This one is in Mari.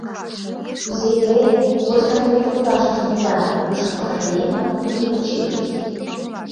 — Кузе те восстановитлалташ шонеда? — южо пашаеҥ-влак нунын деч йодыч.